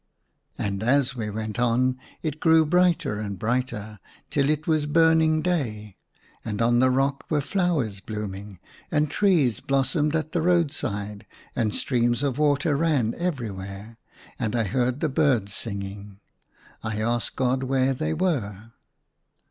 And as we went on it grew brighter and brighter till it was burning day ; and on the rock were flowers blooming, and trees blossomed at the roadside ; and streams of water ran everywhere, and I heard the birds singing ; I asked God where they were.